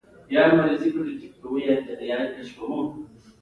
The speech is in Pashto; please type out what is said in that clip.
زړه له یو ډول ځانګړې مخططې عضلې څخه جوړ شوی.